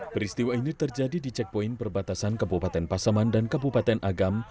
peristiwa ini terjadi di checkpoint perbatasan kabupaten pasaman dan kabupaten agam